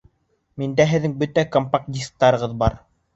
Миндә һеҙҙең бөтә компакт-дисктарығыҙ бар.